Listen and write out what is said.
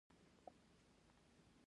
ماشومان باید له خاورو لرې وساتل شي۔